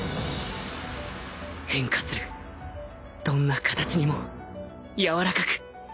変化するどんな形にも柔らかく